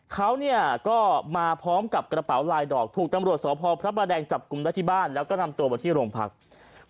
เขาก็มาพร้อมกับกระเป๋าลายดอกถูกตำรวจสพพระประแดงจับกลุ่มได้ที่บ้านแล้วก็นำตัวมาที่โรงพักษณ์